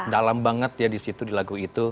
dalam banget ya di situ di lagu itu